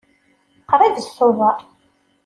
Qrib d Tubeṛ.